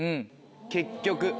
結局。